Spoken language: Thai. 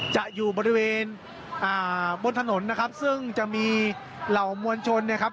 จะอยู่บริเวณอ่าบนถนนนะครับซึ่งจะมีเหล่ามวลชนเนี่ยครับ